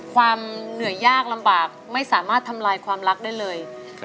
ความเหนือหยากระบากสามารถทำลายความรักที่ได้เลย